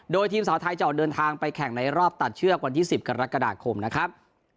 โดยทีมสาวไทยจะออกเดินทางไปแข่งในรอบตัดเชือกวันที่๑๐กรกฎาคมนะครับ